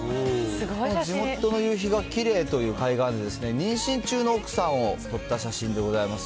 本当の夕日がきれいという海岸で、妊娠中の奥さんを撮った写真でございます。